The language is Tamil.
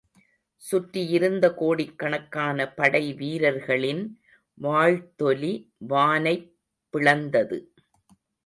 சுற்றியிருந்த கோடிக்கணக்கான படை வீரர்களின் வாழ்த்தொலி வானைப் பிளந்தது.